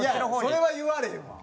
それは言われへんわ。